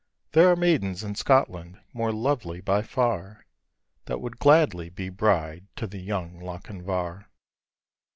RAINBOW GOLD There are maidens in Scotland more lovely by far, That would gladly be bride to the young Lochinvar!'